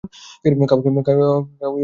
কাউকে বধ করা, ও একটা কথা মাত্র।